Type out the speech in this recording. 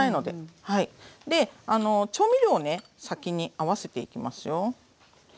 で調味料をね先に合わせていきますよ。